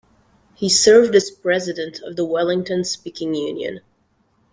He served as president of the Wellington Speaking Union.